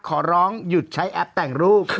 ขอร้องหยุดใช้แอปแต่งรูป